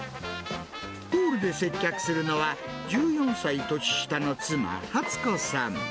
ホールで接客するのは、１４歳年下の妻、初子さん。